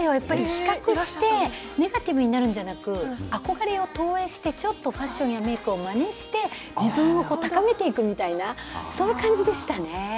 比較してネガティブになるんじゃなく憧れを投影してちょっとファッションやメークをまねして自分を高めていくみたいなそういう感じでしたね。